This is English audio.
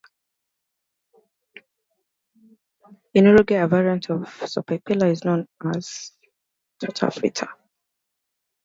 In Uruguay, a variant of the Sopaipilla is known as Torta frita.